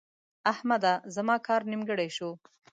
احمده! زما کار نیمګړی شو.